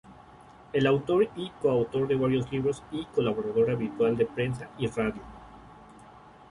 Es autor y coautor de varios libros y colaborador habitual de prensa y radio.